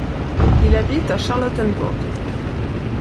Il habite à -Charlottenburg.